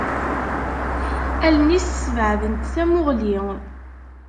Allen-is sbeɛdent tamuɣli.